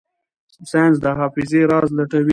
ساینس د حافظې راز لټوي.